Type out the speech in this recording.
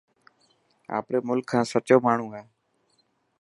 آپري ملڪ کان سچو ماڻهو هي.